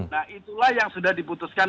nah itulah yang sudah diputuskan